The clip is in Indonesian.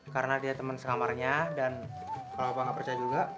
karena dia temen selamarnya dan kalau pak gak percaya juga